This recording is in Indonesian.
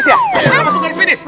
ada yang masuk garis finish